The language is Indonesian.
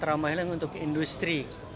trauma healing untuk industri